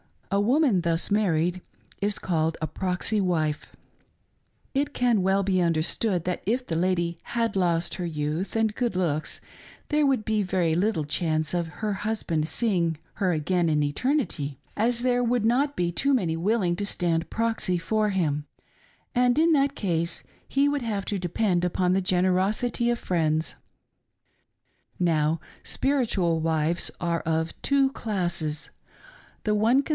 A woman thus< married is, called' a " proxy " wife. It can well be understoodi:, that if the lady had lost her youth and. good looks ther& would b.e very little chance of her husband seeing her again in eternity, as there would not be too many willing to stand proxy for him, and in that case he would have to depend upon the generosity of friendSi Now " spiritual " wives are of two classes. The: one con